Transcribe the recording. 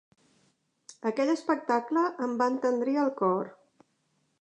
Aquell espectacle em va entendrir el cor.